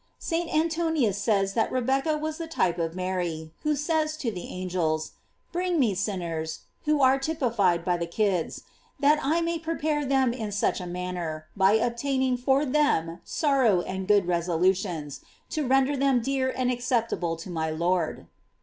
"J St. Antoninus says that Rebecca was the type of Mary, who says to the angels, Bring me sin ners (who are typified by the kids), that I may prepare them in such a manner (by obtaining for them sorrow and good resolutions) as to ren der them dear and acceptable to my Lord.